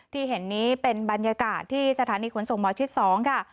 ที่เห็นนี้เป็นบรรยากาศที่สถานีขนส่งหมอชิด๒ค่ะ